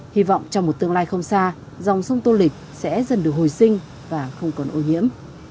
hy vọng trong một tương lai không xa dòng sông tô lịch sẽ dần được hồi sinh và không còn ô nhiễm